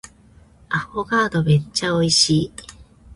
アフォガードめっちゃ美味しい